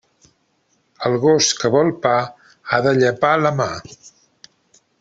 El gos que vol pa ha de llepar la mà.